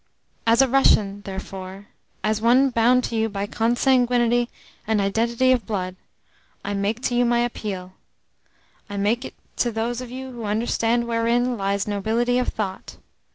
As a Russian, therefore as one bound to you by consanguinity and identity of blood I make to you my appeal. I make it to those of you who understand wherein lies nobility of thought.